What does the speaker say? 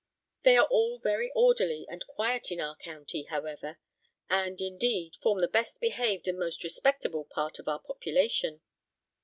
They are all very orderly and quiet in our county, however; and, indeed, form the best behaved and most respectable part of our population.